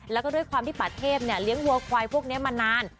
แล้วก็ด้วยความที่ป่าเทพเลี้ยงวัวควายพวกนี้มานาน